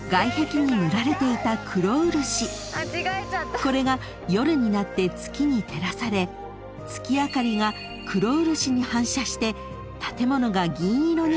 ［これが夜になって月に照らされ月明かりが黒漆に反射して建物が銀色に輝いた］